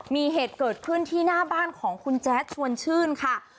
มีเหตุเกิดขึ้นที่หน้าบ้านของคุณแจ๊ดชวนชื่นค่ะ